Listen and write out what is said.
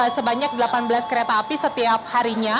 sebanyak delapan belas kereta api setiap harinya